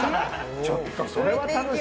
ちょっとそれは。